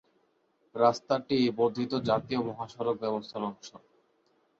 রাস্তাটি বর্ধিত জাতীয় মহাসড়ক ব্যবস্থার অংশ।